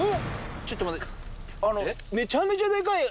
ちょっと待ってあの。